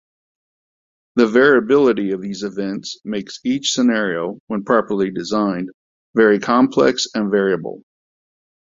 The variability of these events makes each scenario-when properly designed-very complex and variable.